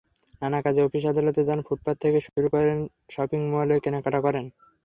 নানা কাজে অফিস-আদালতে যান, ফুটপাত থেকে শুরু করে শপিং মলে কেনাকাটা করেন।